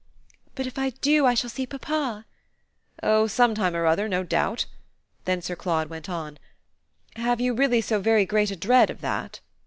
"But if I do I shall see papa?" "Oh some time or other, no doubt." Then Sir Claude went on: "Have you really so very great a dread of that?"